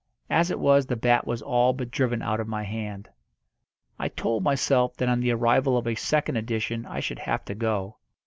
As it was the bat was all but driven out of my hand. I told myself that on the arrival of a second edition I should have to go.